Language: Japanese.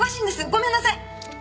ごめんなさい。